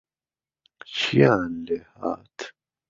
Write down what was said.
چییان لێهات